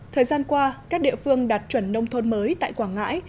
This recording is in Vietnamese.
thời gian qua các địa phương đạt chuẩn nông thôn mới tại quảng ngãi